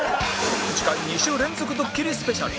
次回２週連続ドッキリスペシャル